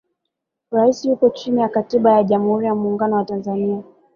rais yupo chini ya katiba ya jamhuri ya muungano wa tanzania